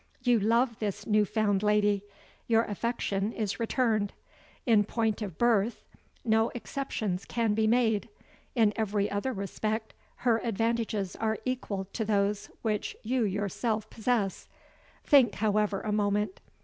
You love this new found lady, your affection is returned. In point of birth, no exceptions can be made; in every other respect, her advantages are equal to those which you yourself possess think, however, a moment.